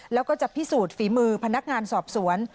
แล้วก็จะพิสูจน์ฝีมือพนักงานสอบสวน